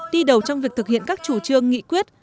đi đầu trong việc thực hiện các chủ trương nghị quyết